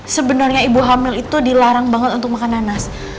sebenarnya ibu hamil itu dilarang banget untuk makan nanas